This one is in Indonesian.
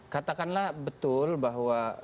katakanlah betul bahwa